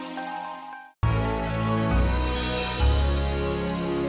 jalan jalan men